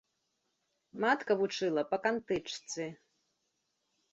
Матка вучыла па кантычцы.